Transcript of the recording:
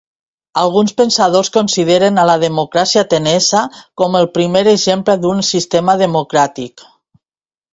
Alguns pensadors consideren a la democràcia atenesa com el primer exemple d'un sistema democràtic.